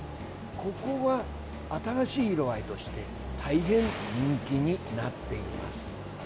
ここは新しい色合いとして大変人気になっています。